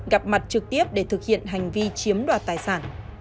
gặp mặt trực tiếp để thực hiện hành vi chiếm đoạt tài sản